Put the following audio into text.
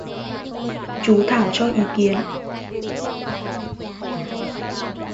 Chú Thảo cho ý kiến